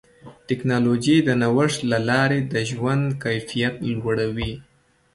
ټکنالوجي د نوښت له لارې د ژوند کیفیت لوړوي.